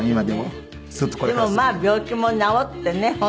でもまあ病気も治ってね